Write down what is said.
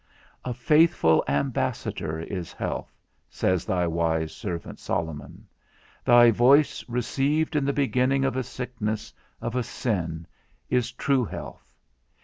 A faithful ambassador is health, says thy wise servant Solomon. Thy voice received in the beginning of a sickness, of a sin, is true health.